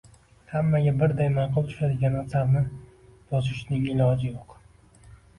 Hammaga birday maʼqul tushadigan asarni yozishning iloji yoʻq